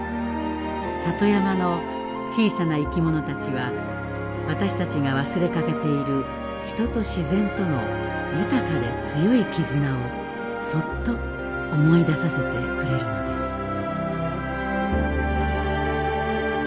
里山の小さな生き物たちは私たちが忘れかけている人と自然との豊かで強いきずなをそっと思い出させてくれるのです。